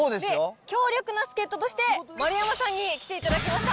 強力な助っ人として丸山さんに来ていただきました。